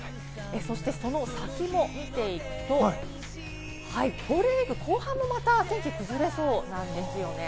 そしてその先も見ていくと、ゴールデンウイーク後半もまた天気が崩れそうなんです。